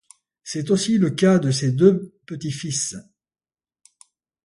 C'est aussi le cas de ses deux petit-fils.